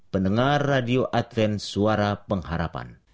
pendengar radio adven suara pengharapan